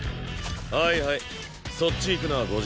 はいはいそっち行くのはご自由に。